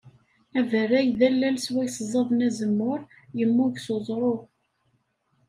Aberray d allal swayes ẓẓaden azemmur, yemmug s uẓru.